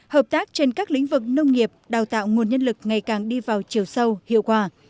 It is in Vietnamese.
hợp tác trên các lĩnh vực nông nghiệp đào tạo nguồn nhân lực ngày càng đi vào chiều sâu hiệu quả